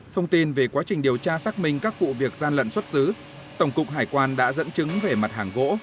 thông tin về quá trình điều tra xác minh các vụ việc gian lận xuất xứ tổng cục hải quan đã dẫn chứng về mặt hàng gỗ